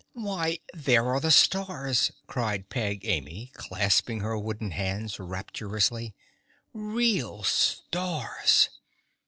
"Why, there are the stars!" cried Peg Amy, clasping her wooden hands rapturously. "Real stars!"